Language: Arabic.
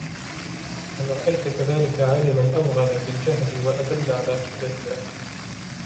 فَهَلْ رَأَيْت كَذَلِكَ عَالِمًا أَوْغَلَ فِي الْجَهْلِ ، وَأَدَلَّ عَلَى قِلَّةِ الْعَقْلِ